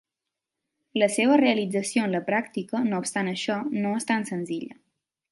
La seva realització en la pràctica, no obstant això, no és tan senzilla.